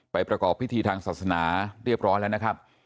ประกอบพิธีทางศาสนาเรียบร้อยแล้วนะครับ